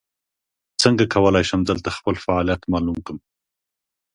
څنګه کولی شم دلته خپل فعالیت معلوم کړم ؟